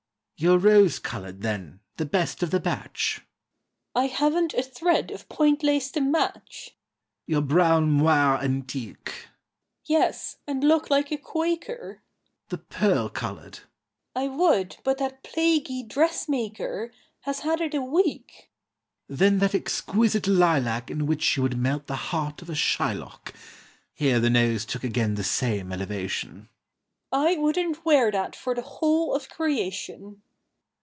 "Your rose colored, then, the best of the batch" "I haven't a thread of point lace to match." "Your brown moire antique" "Yes, and look like a Quaker." "The pearl colored" "I would, but that plaguey dressmaker Has had it a week." "Then that exquisite lilac In which you would melt the heart of a Shylock" (Here the nose took again the same elevation) "I wouldn't wear that for the whole of creation."